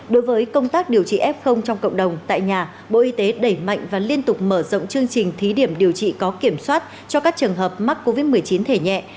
đối với công tác điều trị f trong cộng đồng tại nhà bộ y tế đẩy mạnh và liên tục mở rộng chương trình thí điểm điều trị có kiểm soát cho các trường hợp mắc covid một mươi chín thể nhẹ